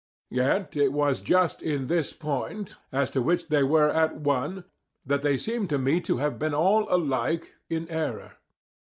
Yet it was just in this point, as to which they were at one, that they seem to me to have been all alike in error.